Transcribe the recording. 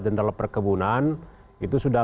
jenderal perkebunan itu sudah